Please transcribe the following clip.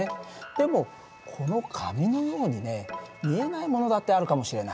でもこの紙のようにね見えないものだってあるかもしれない。